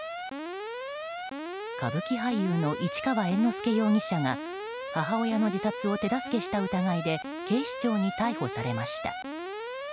歌舞伎俳優の市川猿之助容疑者が母親の自殺を手助けした疑いで警視庁に逮捕されました。